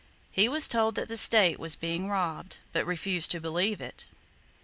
He was told that the state was being robbed, but refused to believe it.